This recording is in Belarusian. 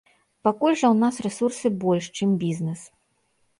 Пакуль жа ў нас рэсурсы больш, чым бізнес.